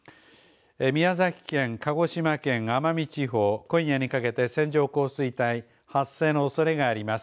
宮崎県、鹿児島県、奄美地方今夜にかけて線状降水帯発生のおそれがあります。